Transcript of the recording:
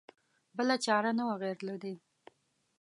بله چاره نه وه غیر له دې.